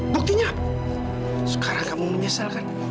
buktinya sekarang kamu menyesalkan